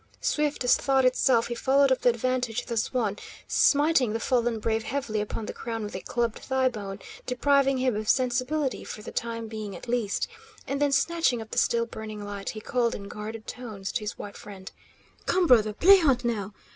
Swift as thought itself he followed up the advantage thus won, smiting the fallen brave heavily upon the crown with a clubbed thighbone, depriving him of sensibility for the time being at least. And then snatching up the still burning light, he called, in guarded tones, to his white friend: "Come, brother, play hunt, now!